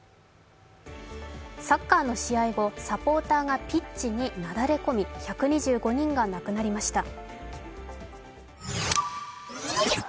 サッカーの試合後サポーターがピッチになだれ込み１２５人が亡くなりました。